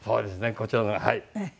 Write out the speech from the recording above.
こちらがはい。